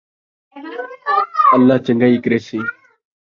اللہ چنڳائی کریسی